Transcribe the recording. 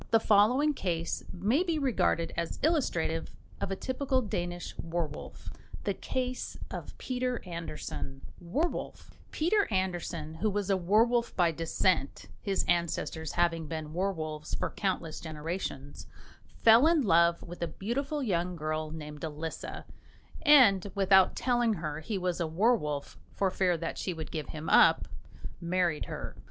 The following case may be regarded as illustrative of a typical Danish werwolf: THE CASE OF PETER ANDERSEN, WERWOLF Peter Andersen, who was a werwolf by descent, his ancestors having been werwolves for countless generations, fell in love with a beautiful young girl named Elisa, and without telling her he was a werwolf, for fear that she would give him up, married her.